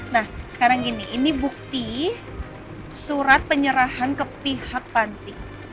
nah sekarang ini ini bukti surat penyerahan ke pihak panti